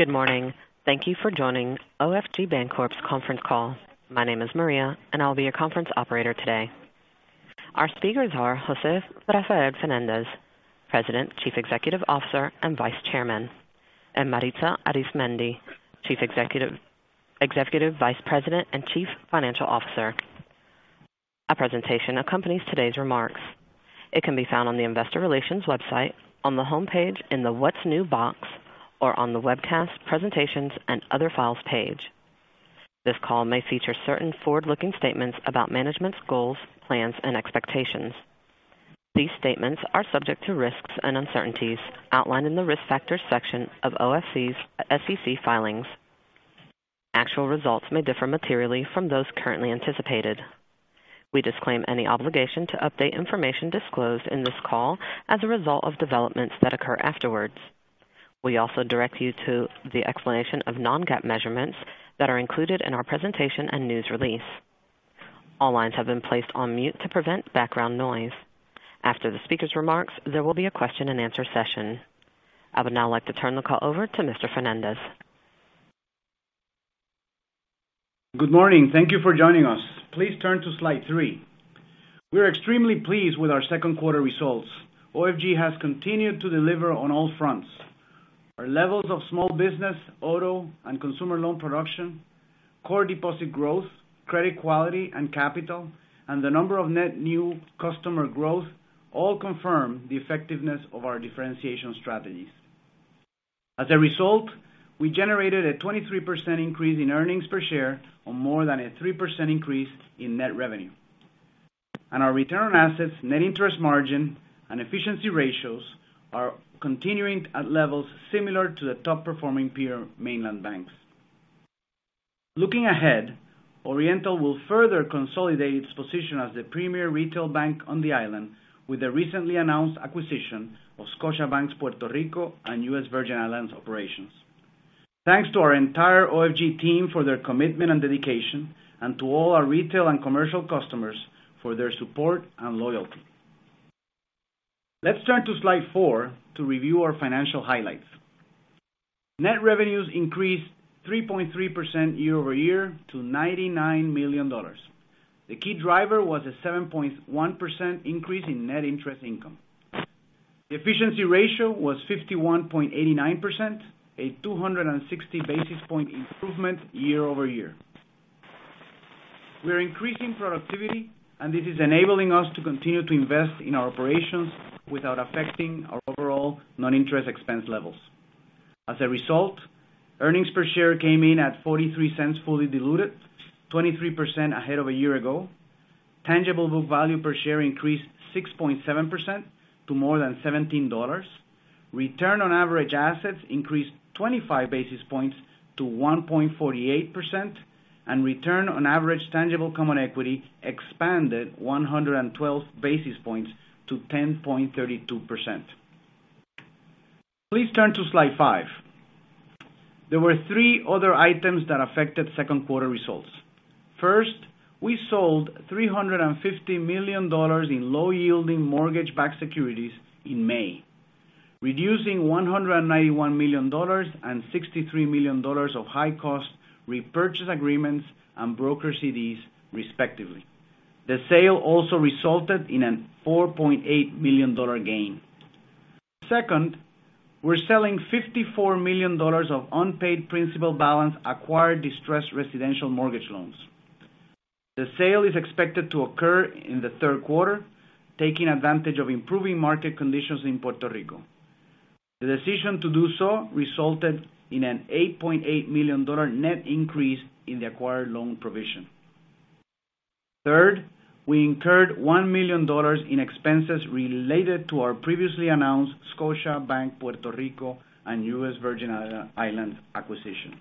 Good morning. Thank you for joining OFG Bancorp's conference call. My name is Maria, and I'll be your conference operator today. Our speakers are José Rafael Fernández, President, Chief Executive Officer, and Vice Chairman, and Maritza Arizmendi, Executive Vice President and Chief Financial Officer. A presentation accompanies today's remarks. It can be found on the investor relations website, on the homepage in the What's New box, or on the Webcast Presentations and Other Files page. This call may feature certain forward-looking statements about management's goals, plans, and expectations. These statements are subject to risks and uncertainties outlined in the Risk Factors section of OFG's SEC filings. Actual results may differ materially from those currently anticipated. We disclaim any obligation to update information disclosed in this call as a result of developments that occur afterwards. We also direct you to the explanation of non-GAAP measurements that are included in our presentation and news release. All lines have been placed on mute to prevent background noise. After the speaker's remarks, there will be a question and answer session. I would now like to turn the call over to Mr. Fernández. Good morning. Thank you for joining us. Please turn to slide three. We are extremely pleased with our second quarter results. OFG has continued to deliver on all fronts. Our levels of small business, auto, and consumer loan production, core deposit growth, credit quality and capital, and the number of net new customer growth all confirm the effectiveness of our differentiation strategies. As a result, we generated a 23% increase in earnings per share on more than a 3% increase in net revenue. Our return on assets, net interest margin, and efficiency ratios are continuing at levels similar to the top-performing peer mainland banks. Looking ahead, Oriental will further consolidate its position as the premier retail bank on the island with the recently announced acquisition of Scotiabank's Puerto Rico and U.S. Virgin Islands operations. Thanks to our entire OFG team for their commitment and dedication and to all our retail and commercial customers for their support and loyalty. Let's turn to slide four to review our financial highlights. Net revenues increased 3.3% year-over-year to $99 million. The key driver was a 7.1% increase in net interest income. The efficiency ratio was 51.89%, a 260 basis points improvement year-over-year. We are increasing productivity, and this is enabling us to continue to invest in our operations without affecting our overall non-interest expense levels. As a result, earnings per share came in at $0.43 fully diluted, 23% ahead of a year ago. Tangible book value per share increased 6.7% to more than $17. Return on average assets increased 25 basis points to 1.48%, and return on average tangible common equity expanded 112 basis points to 10.32%. Please turn to slide five. There were three other items that affected second quarter results. First, we sold $350 million in low-yielding mortgage-backed securities in May, reducing $191 million and $63 million of high-cost repurchase agreements and broker CDs, respectively. The sale also resulted in a $4.8 million gain. Second, we're selling $54 million of unpaid principal balance acquired distressed residential mortgage loans. The sale is expected to occur in the third quarter, taking advantage of improving market conditions in Puerto Rico. The decision to do so resulted in an $8.8 million net increase in the acquired loan provision. Third, we incurred $1 million in expenses related to our previously announced Scotiabank Puerto Rico and U.S. Virgin Islands acquisition.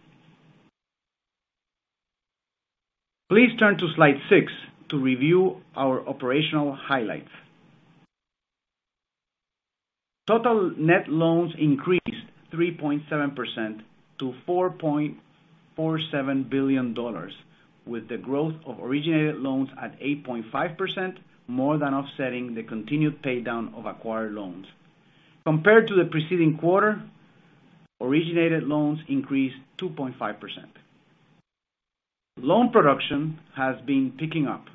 Please turn to slide six to review our operational highlights. Total net loans increased 3.7% to $4.47 billion, with the growth of originated loans at 8.5%, more than offsetting the continued paydown of acquired loans. Compared to the preceding quarter, originated loans increased 2.5%. Loan production has been picking up.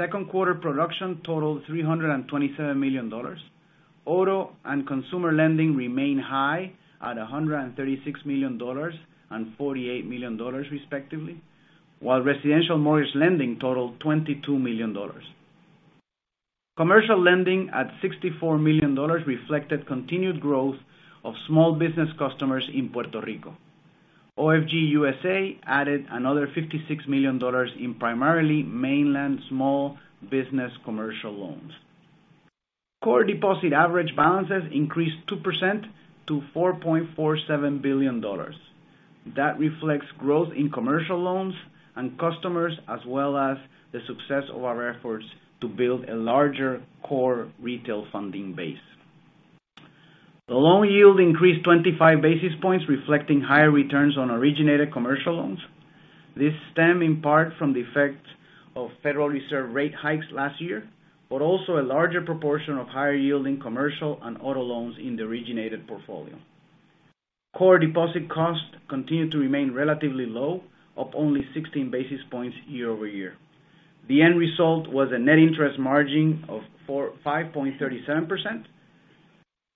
Second quarter production totaled $327 million. Auto and consumer lending remain high at $136 million and $48 million, respectively. While residential mortgage lending totaled $22 million. Commercial lending at $64 million reflected continued growth of small business customers in Puerto Rico. OFG USA added another $56 million in primarily mainland small business commercial loans. Core deposit average balances increased 2% to $4.47 billion. That reflects growth in commercial loans and customers, as well as the success of our efforts to build a larger core retail funding base. The loan yield increased 25 basis points, reflecting higher returns on originated commercial loans. This stemmed in part from the effect of Federal Reserve rate hikes last year, also a larger proportion of higher-yielding commercial and auto loans in the originated portfolio. Core deposit costs continued to remain relatively low, up only 16 basis points year-over-year. The end result was a net interest margin of 5.37%,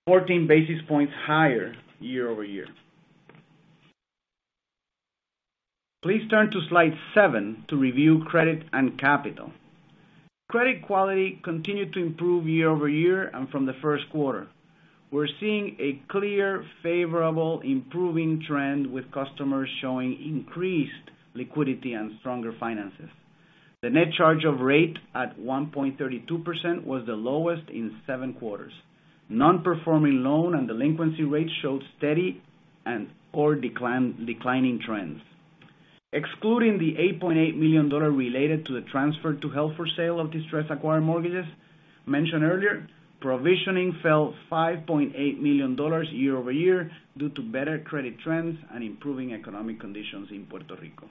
14 basis points higher year-over-year. Please turn to Slide seven to review credit and capital. Credit quality continued to improve year-over-year and from the first quarter. We're seeing a clear, favorable improving trend with customers showing increased liquidity and stronger finances. The net charge-off rate at 1.32% was the lowest in seven quarters. Non-performing loan and delinquency rates showed steady and core declining trends. Excluding the $8.8 million related to the transfer to held-for-sale of distressed acquired mortgages mentioned earlier, provisioning fell $5.8 million year-over-year due to better credit trends and improving economic conditions in Puerto Rico.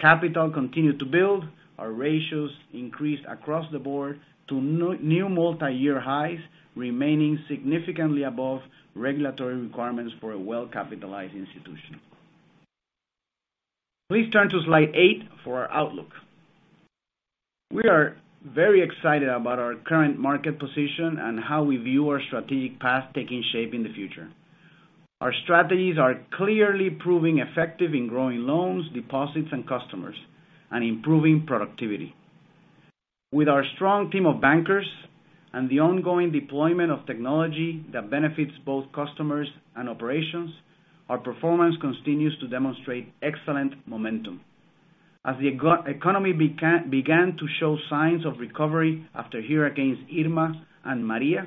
Capital continued to build. Our ratios increased across the board to new multiyear highs, remaining significantly above regulatory requirements for a well-capitalized institution. Please turn to Slide 8 for our outlook. We are very excited about our current market position and how we view our strategic path taking shape in the future. Our strategies are clearly proving effective in growing loans, deposits, and customers, and improving productivity. With our strong team of bankers and the ongoing deployment of technology that benefits both customers and operations, our performance continues to demonstrate excellent momentum. As the economy began to show signs of recovery after hurricanes Irma and Maria,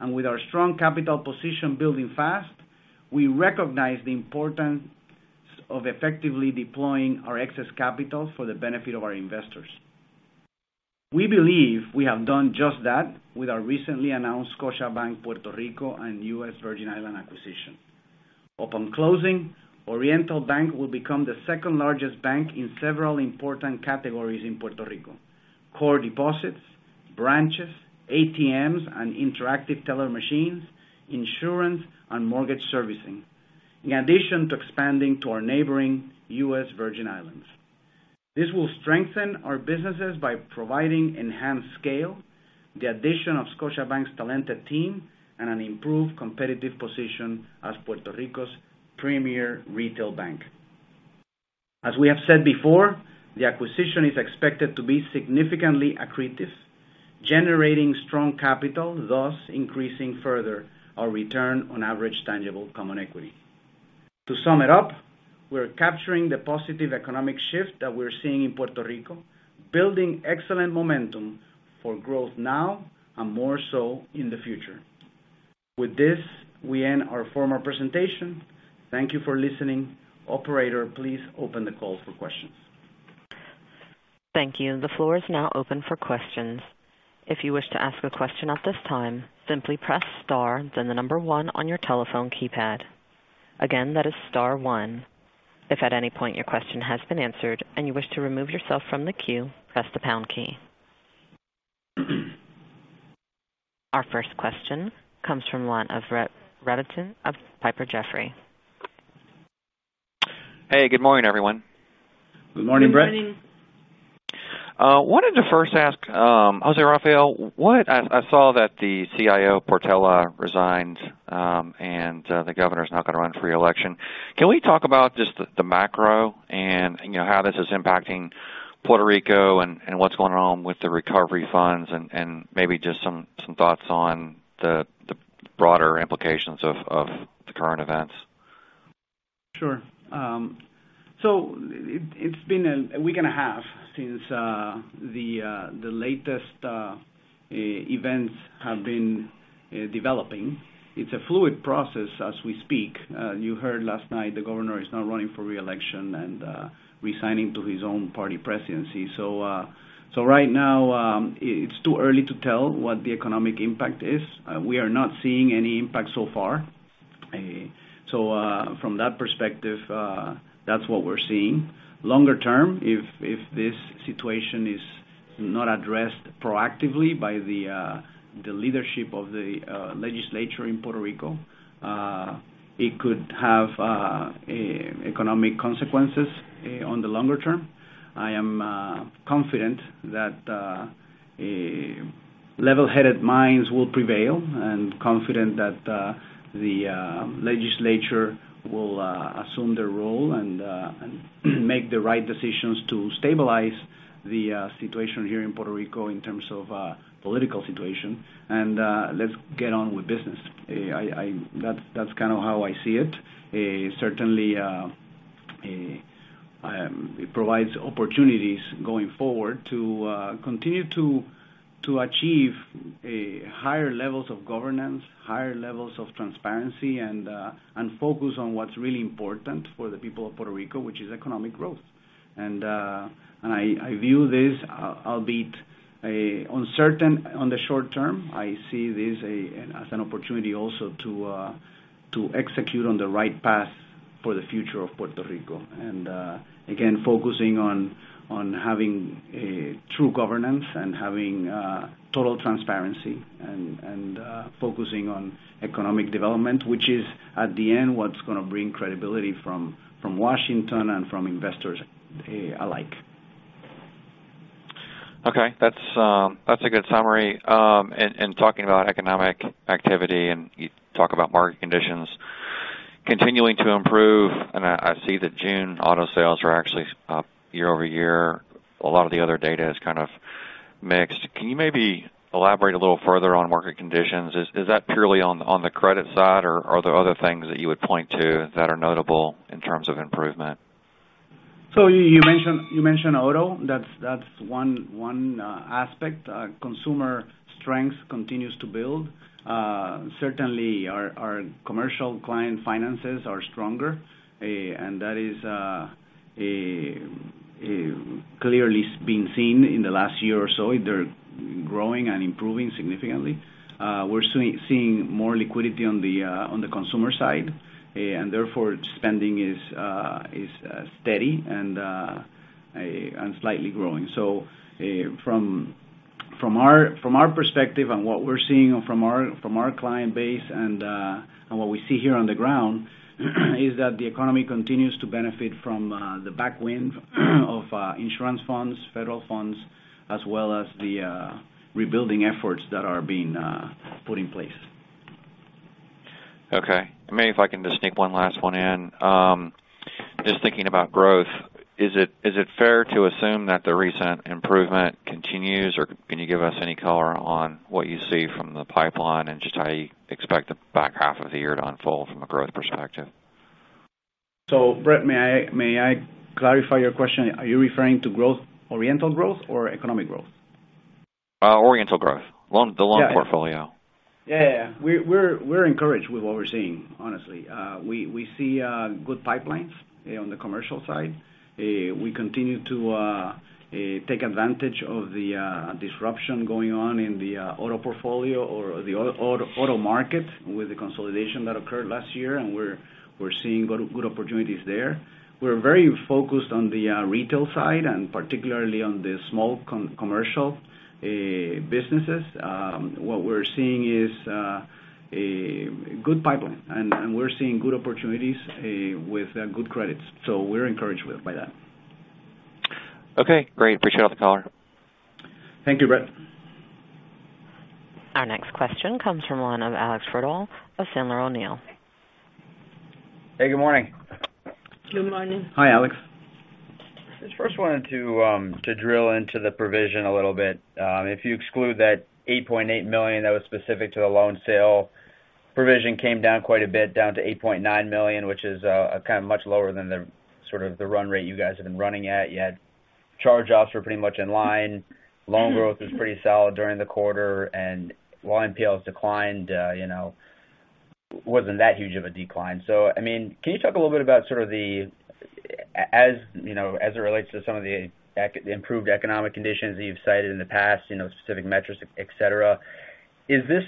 and with our strong capital position building fast, we recognized the importance of effectively deploying our excess capital for the benefit of our investors. We believe we have done just that with our recently announced Scotiabank Puerto Rico and U.S. Virgin Islands acquisition. Upon closing, Oriental Bank will become the second-largest bank in several important categories in Puerto Rico: core deposits, branches, ATMs and interactive teller machines, insurance, and mortgage servicing, in addition to expanding to our neighboring U.S. Virgin Islands. This will strengthen our businesses by providing enhanced scale, the addition of Scotiabank's talented team, and an improved competitive position as Puerto Rico's premier retail bank. As we have said before, the acquisition is expected to be significantly accretive, generating strong capital, thus increasing further our return on average tangible common equity. To sum it up, we're capturing the positive economic shift that we're seeing in Puerto Rico, building excellent momentum for growth now and more so in the future. With this, we end our formal presentation. Thank you for listening. Operator, please open the call for questions. Thank you. The floor is now open for questions. If you wish to ask a question at this time, simply press star then the number 1 on your telephone keypad. Again, that is star 1. If at any point your question has been answered and you wish to remove yourself from the queue, press the pound key. Our first question comes from line of Brett Rabatin of Piper Jaffray. Hey, good morning, everyone. Good morning, Brett. Good morning. wanted to first ask José Rafael, I saw that the CIO Portela resigned. The governor's not going to run for reelection. Can we talk about just the macro and how this is impacting Puerto Rico, and what's going on with the recovery funds, and maybe just some thoughts on the broader implications of the current events? Sure. It's been a week and a half since the latest events have been developing. It's a fluid process as we speak. You heard last night the governor is not running for re-election and resigning to his own party presidency. Right now, it's too early to tell what the economic impact is. We are not seeing any impact so far. From that perspective, that's what we're seeing. Longer term, if this situation is not addressed proactively by the leadership of the legislature in Puerto Rico, it could have economic consequences on the longer term. I am confident that level-headed minds will prevail and confident that the legislature will assume their role and make the right decisions to stabilize the situation here in Puerto Rico in terms of political situation, and let's get on with business. That's kind of how I see it. Certainly, it provides opportunities going forward to continue to achieve higher levels of governance, higher levels of transparency, and focus on what's really important for the people of Puerto Rico, which is economic growth. I view this, albeit uncertain on the short term, I see this as an opportunity also to execute on the right path for the future of Puerto Rico. Again, focusing on having a true governance and having total transparency and focusing on economic development, which is at the end what's going to bring credibility from Washington and from investors alike. Okay. That's a good summary. Talking about economic activity, and you talk about market conditions continuing to improve, and I see that June auto sales are actually up year-over-year. A lot of the other data is kind of mixed. Can you maybe elaborate a little further on market conditions? Is that purely on the credit side, or are there other things that you would point to that are notable in terms of improvement? You mentioned auto. That's one aspect. Consumer strength continues to build. Certainly our commercial client finances are stronger, and that is clearly been seen in the last year or so. They're growing and improving significantly. We're seeing more liquidity on the consumer side, and therefore spending is steady and slightly growing. From our perspective and what we're seeing from our client base and what we see here on the ground is that the economy continues to benefit from the tailwind of insurance funds, federal funds, as well as the rebuilding efforts that are being put in place. Okay. Maybe if I can just sneak one last one in. Just thinking about growth, is it fair to assume that the recent improvement continues, or can you give us any color on what you see from the pipeline and just how you expect the back half of the year to unfold from a growth perspective? Brett, may I clarify your question? Are you referring to growth, Oriental growth or economic growth? Oriental growth. The loan- Yeah, we're encouraged with what we're seeing, honestly. We see good pipelines on the commercial side. We continue to take advantage of the disruption going on in the auto portfolio or the auto market with the consolidation that occurred last year. We're seeing good opportunities there. We're very focused on the retail side, and particularly on the small commercial businesses. What we're seeing is a good pipeline. We're seeing good opportunities with good credits. We're encouraged by that. Okay, great. Appreciate all the color. Thank you, Brett. Our next question comes from the line of Alex Twerdahl of Sandler O'Neill. Hey, good morning. Good morning. Hi, Alex. First wanted to drill into the provision a little bit. If you exclude that $8.8 million that was specific to the loan sale, provision came down quite a bit, down to $8.9 million, which is kind of much lower than the sort of the run rate you guys have been running at. You had charge-offs were pretty much in line. Loan growth was pretty solid during the quarter, while NPLs declined, wasn't that huge of a decline. I mean, can you talk a little bit about sort of the, as it relates to some of the improved economic conditions that you've cited in the past, specific metrics, et cetera. Is this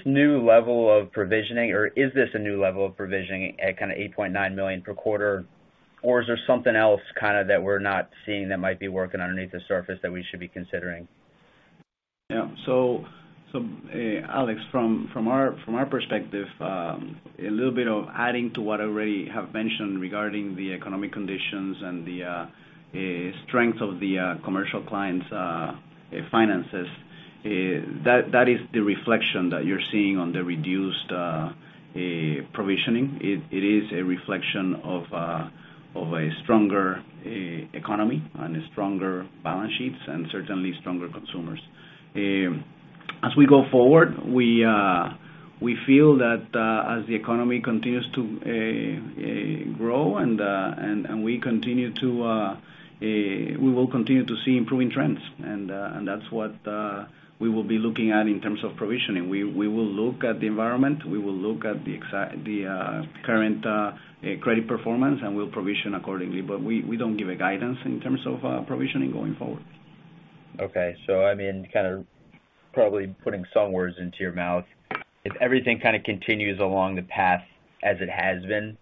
new level of provisioning, or is this a new level of provisioning at kind of $8.9 million per quarter, or is there something else kind of that we're not seeing that might be working underneath the surface that we should be considering? Yeah. Alex, from our perspective, a little bit of adding to what I already have mentioned regarding the economic conditions and the strength of the commercial clients' finances, that is the reflection that you're seeing on the reduced provisioning. It is a reflection of a stronger economy and stronger balance sheets and certainly stronger consumers. As we go forward, we feel that as the economy continues to grow and we will continue to see improving trends. That's what we will be looking at in terms of provisioning. We will look at the environment, we will look at the current credit performance, and we'll provision accordingly. We don't give a guidance in terms of provisioning going forward. Okay. I mean, kind of probably putting some words into your mouth. If everything kind of continues along the path as it has been,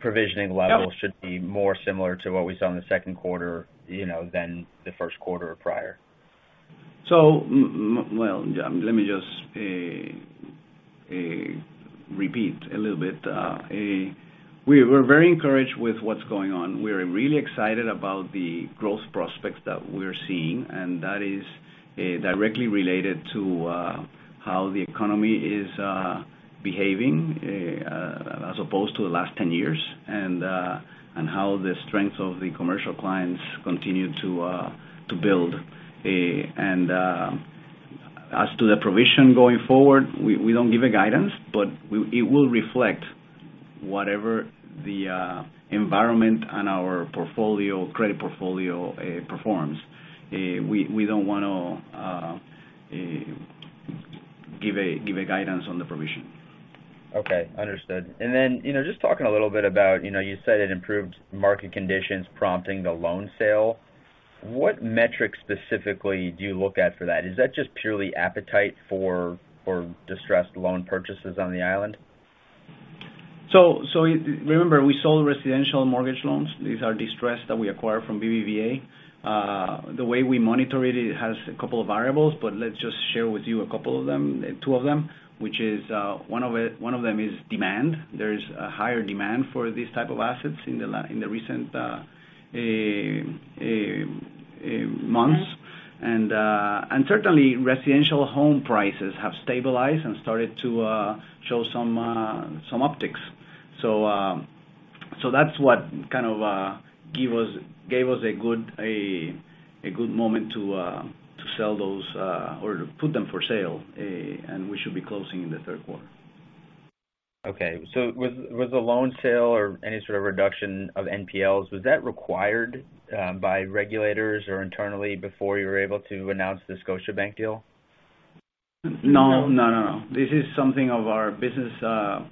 provisioning levels. Yeah should be more similar to what we saw in the second quarter, than the first quarter or prior. Well, let me just repeat a little bit. We're very encouraged with what's going on. We're really excited about the growth prospects that we're seeing, and that is directly related to how the economy is behaving as opposed to the last 10 years, and how the strength of the commercial clients continue to build. As to the provision going forward, we don't give a guidance, but it will reflect whatever the environment and our credit portfolio performs. We don't want to give a guidance on the provision. Okay. Understood. Just talking a little bit about you said it improved market conditions prompting the loan sale. What metrics specifically do you look at for that? Is that just purely appetite for distressed loan purchases on the island? Remember, we sold residential mortgage loans. These are distressed that we acquired from BBVA. The way we monitor it has a couple of variables, but let's just share with you a couple of them, two of them. One of them is demand. There is a higher demand for these type of assets in the recent months. Certainly, residential home prices have stabilized and started to show some upticks. That's what kind of gave us a good moment to sell those or to put them for sale, and we should be closing in the third quarter. Okay. Was the loan sale or any sort of reduction of NPLs, was that required by regulators or internally before you were able to announce the Scotiabank deal? No. This is something of our business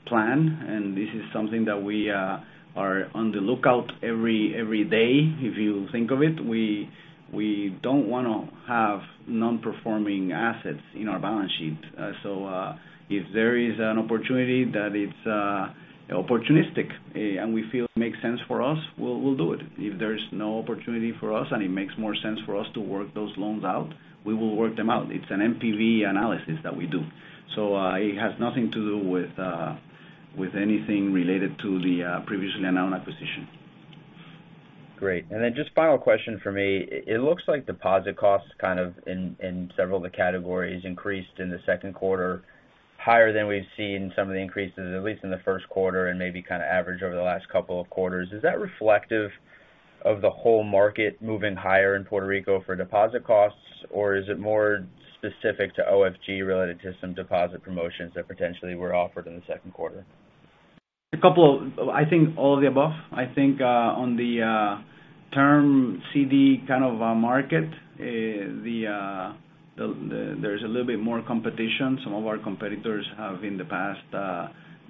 plan, and this is something that we are on the lookout every day. If you think of it, we don't want to have non-performing assets in our balance sheet. If there is an opportunity that it's opportunistic and we feel it makes sense for us, we'll do it. If there's no opportunity for us, and it makes more sense for us to work those loans out, we will work them out. It's an NPV analysis that we do. It has nothing to do with anything related to the previously announced acquisition. Great. Just final question from me. It looks like deposit costs kind of in several of the categories increased in the second quarter higher than we've seen some of the increases, at least in the first quarter and maybe kind of average over the last couple of quarters. Is that reflective of the whole market moving higher in Puerto Rico for deposit costs, or is it more specific to OFG related to some deposit promotions that potentially were offered in the second quarter? I think all of the above. I think on the term CD kind of market, there's a little bit more competition. Some of our competitors have in the past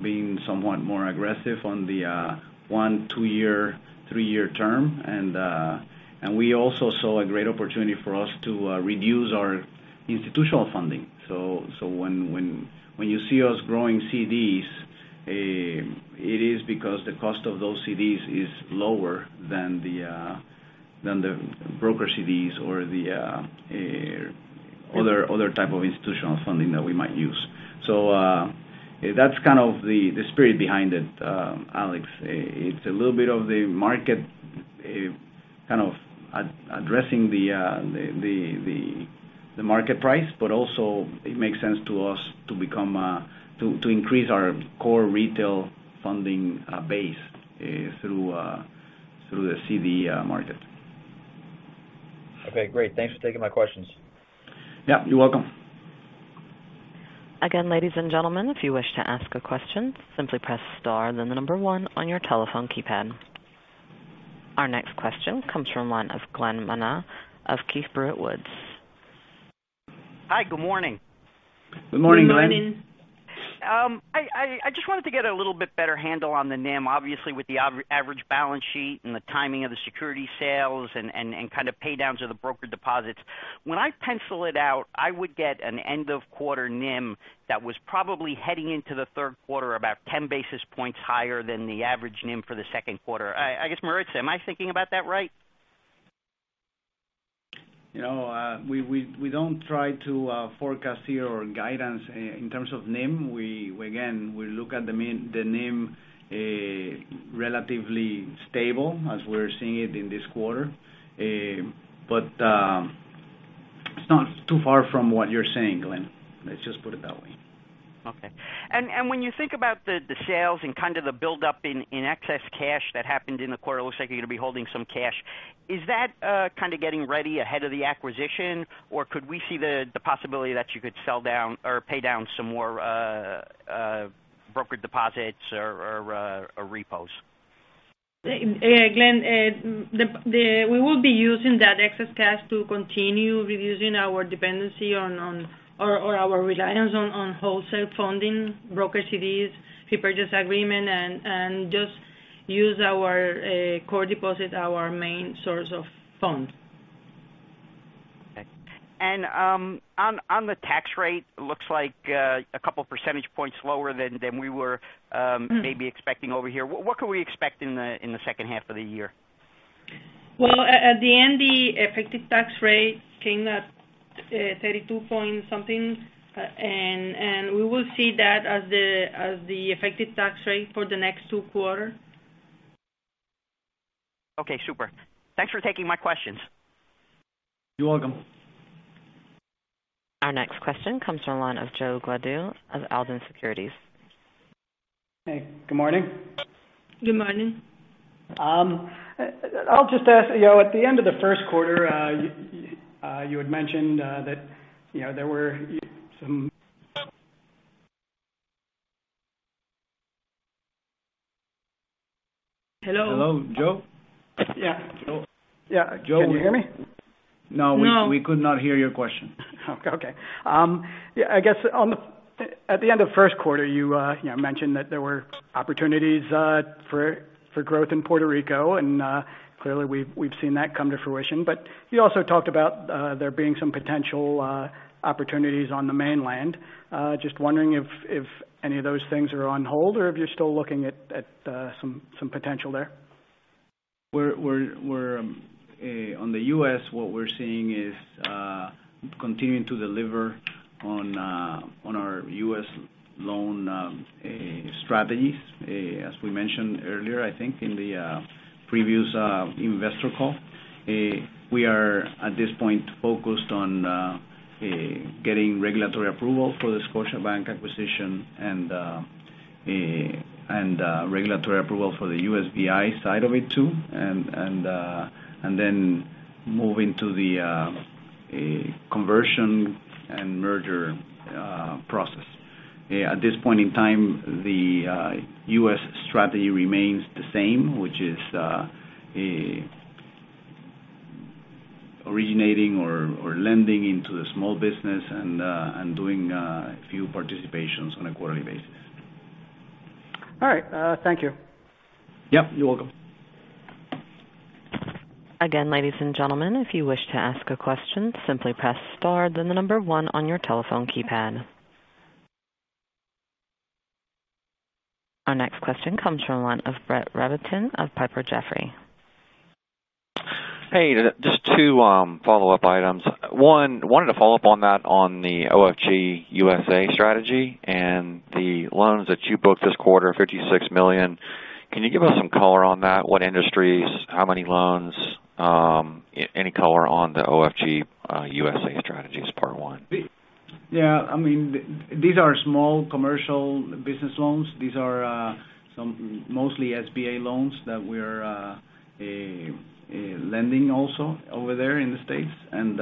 been somewhat more aggressive on the one, two-year, three-year term. We also saw a great opportunity for us to reduce our institutional funding. When you see us growing CDs, it is because the cost of those CDs is lower than the broker CDs or the other type of institutional funding that we might use. That's kind of the spirit behind it, Alex. It's a little bit of the market kind of addressing the market price, but also it makes sense to us to increase our core retail funding base through the CD market. Okay, great. Thanks for taking my questions. Yeah, you're welcome. Again, ladies and gentlemen, if you wish to ask a question, simply press star then the number one on your telephone keypad. Our next question comes from one of Glen Manna of Keefe, Bruyette & Woods. Hi, good morning. Good morning, Glen. Good morning. I just wanted to get a little bit better handle on the NIM. Obviously, with the average balance sheet and the timing of the security sales and kind of pay downs of the broker deposits. When I pencil it out, I would get an end of quarter NIM that was probably heading into the third quarter about 10 basis points higher than the average NIM for the second quarter. I guess, Maritza, am I thinking about that right? We don't try to forecast here or guidance in terms of NIM. Again, we look at the NIM relatively stable as we're seeing it in this quarter. It's not too far from what you're saying, Glen. Let's just put it that way. Okay. When you think about the sales and kind of the buildup in excess cash that happened in the quarter, looks like you're going to be holding some cash. Is that kind of getting ready ahead of the acquisition, or could we see the possibility that you could sell down or pay down some more brokered deposits or repos? Glenn, we will be using that excess cash to continue reducing our dependency on or our reliance on wholesale funding, broker CDs, purchase agreement, and just use our core deposit, our main source of funds. Okay. On the tax rate, looks like a couple percentage points lower than we were maybe expecting over here. What could we expect in the second half of the year? Well, at the end, the effective tax rate came at 32 point something, and we will see that as the effective tax rate for the next two quarters. Okay, super. Thanks for taking my questions. You're welcome. Our next question comes from one of Joe Gladue of Alden Securities. Hey, good morning. Good morning. I'll just ask, at the end of the first quarter, you had mentioned that there were some. Hello? Hello? Joe? Yeah. Joe? Yeah. Can you hear me? No, we could not hear your question. Okay. I guess at the end of first quarter, you mentioned that there were opportunities for growth in Puerto Rico, clearly we've seen that come to fruition. You also talked about there being some potential opportunities on the mainland. Just wondering if any of those things are on hold or if you're still looking at some potential there. On the U.S., what we're seeing is continuing to deliver on our U.S. loan strategies. As we mentioned earlier, I think, in the previous investor call, we are at this point focused on getting regulatory approval for the Scotiabank acquisition and regulatory approval for the USVI side of it too, and then moving to the conversion and merger process. At this point in time, the U.S. strategy remains the same, which is originating or lending into the small business and doing a few participations on a quarterly basis. All right. Thank you. Yep, you're welcome. Again, ladies and gentlemen, if you wish to ask a question, simply press star, then the number one on your telephone keypad. Our next question comes from the line of Brett Rabatin of Piper Jaffray. Hey, just two follow-up items. One, wanted to follow up on that on the OFG USA strategy and the loans that you booked this quarter, $56 million. Can you give us some color on that? What industries, how many loans? Any color on the OFG USA strategy is part one. Yeah. These are small commercial business loans. These are mostly SBA loans that we're lending also over there in the U.S., and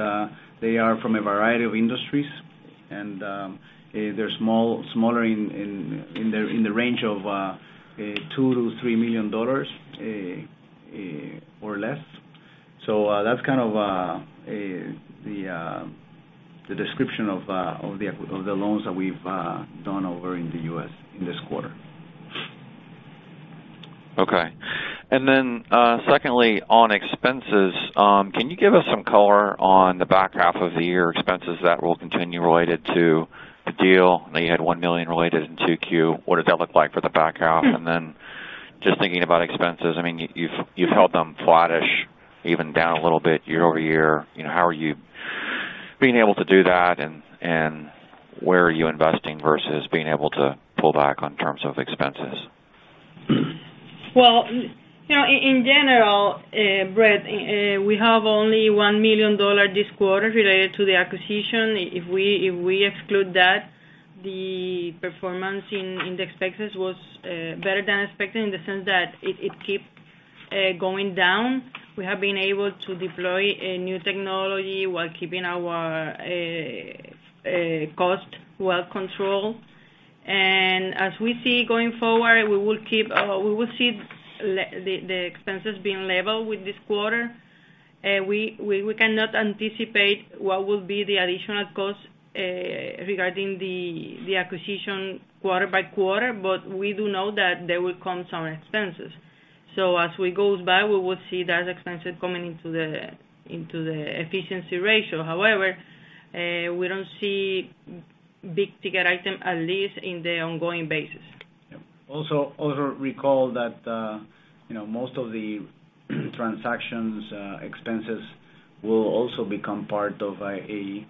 they are from a variety of industries, and they're smaller in the range of $2 million-$3 million or less. That's kind of the description of the loans that we've done over in the U.S. in this quarter. Secondly, on expenses, can you give us some color on the back half of the year expenses that will continue related to the deal? I know you had $1 million related in 2Q. What does that look like for the back half? Just thinking about expenses, you've held them flattish, even down a little bit year-over-year. How are you being able to do that and where are you investing versus being able to pull back on terms of expenses? Well, in general, Brett, we have only $1 million this quarter related to the acquisition. If we exclude that, the performance in the expenses was better than expected in the sense that it keeps going down. We have been able to deploy a new technology while keeping our cost well-controlled. As we see going forward, we will see the expenses being level with this quarter. We cannot anticipate what will be the additional cost regarding the acquisition quarter by quarter, but we do know that there will come some expenses. As we go by, we will see that expenses coming into the efficiency ratio. However, we don't see big-ticket item, at least in the ongoing basis. Also recall that most of the transactions expenses will also become part of the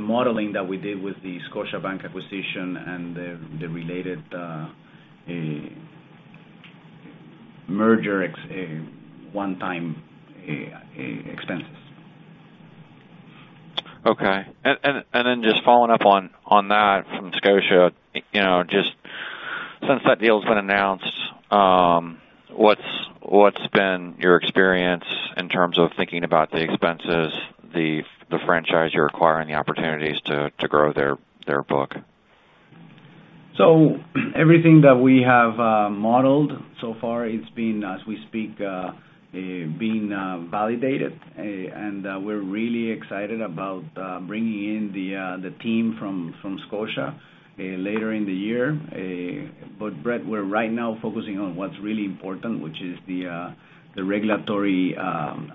modeling that we did with the Scotiabank acquisition and the related merger one-time expenses. Okay. Just following up on that from Scotia. Since that deal's been announced, what's been your experience in terms of thinking about the expenses, the franchise you're acquiring, the opportunities to grow their book? Everything that we have modeled so far, it's been, as we speak, being validated. We're really excited about bringing in the team from Scotia later in the year. Brett, we're right now focusing on what's really important, which is the regulatory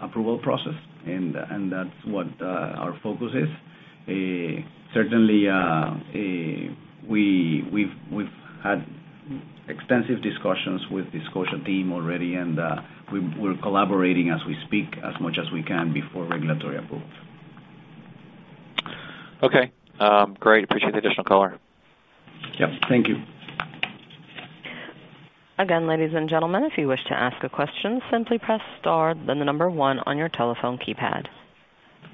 approval process, and that's what our focus is. Certainly, we've had extensive discussions with the Scotia team already, and we're collaborating as we speak as much as we can before regulatory approval. Okay, great. Appreciate the additional color. Yep, thank you. Again, ladies and gentlemen, if you wish to ask a question, simply press star then the number 1 on your telephone keypad.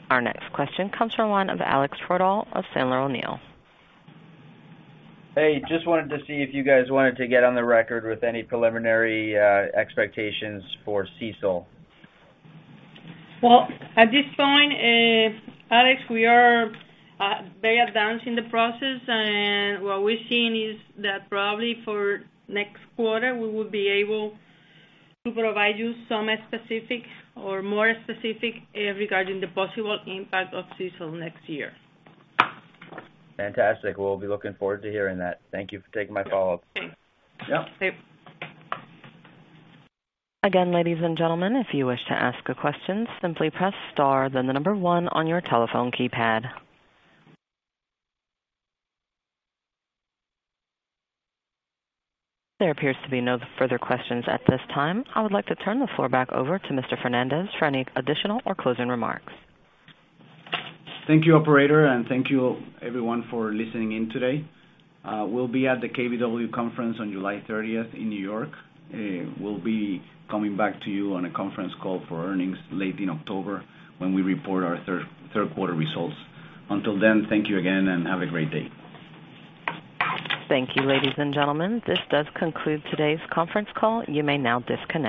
Our next question comes from the line of Alex Twerdahl of Sandler O'Neill. Hey, just wanted to see if you guys wanted to get on the record with any preliminary expectations for CECL. Well, at this point, Alex, we are very advanced in the process, and what we're seeing is that probably for next quarter, we will be able to provide you some specific or more specific regarding the possible impact of CECL next year. Fantastic. Well, we'll be looking forward to hearing that. Thank you for taking my follow-up. Thanks. Yep. Yep. Again, ladies and gentlemen, if you wish to ask a question, simply press star then the number one on your telephone keypad. There appears to be no further questions at this time. I would like to turn the floor back over to Mr. Fernández for any additional or closing remarks. Thank you, operator. Thank you everyone for listening in today. We'll be at the KBW conference on July 30th in New York. We'll be coming back to you on a conference call for earnings late in October when we report our third quarter results. Until then, thank you again, and have a great day. Thank you, ladies and gentlemen. This does conclude today's conference call. You may now disconnect.